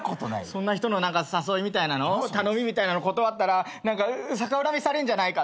そんな人の誘いみたいなの頼みみたいなの断ったら何か逆恨みされんじゃないかとか。